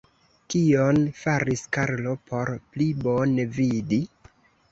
Kion faris Karlo por pli bone vidi?